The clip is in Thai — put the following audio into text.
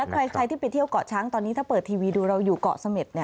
ใครที่ไปเที่ยวเกาะช้างตอนนี้ถ้าเปิดทีวีดูเราอยู่เกาะเสม็ด